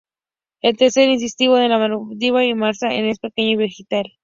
El tercer incisivo en la mandíbula y el maxilar es pequeño y vestigial.